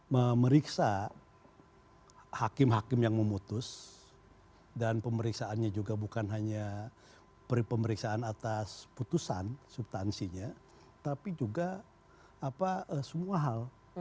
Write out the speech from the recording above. memeriksa hakim hakim yang memutus dan pemeriksaannya juga bukan hanya pemeriksaan atas putusan subtansinya tapi juga semua hal